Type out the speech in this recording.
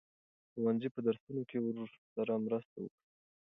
د ښوونځي په درسونو کې ورسره مرسته وکړئ.